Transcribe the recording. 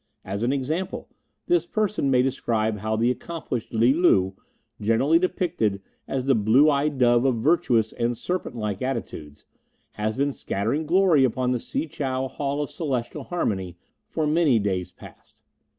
As an example, this person may describe how the accomplished Li Lu, generally depicted as the Blue eyed Dove of Virtuous and Serpent like Attitudes, has been scattering glory upon the Si chow Hall of Celestial Harmony for many days past.